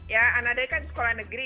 ya anadai kan sekolah negeri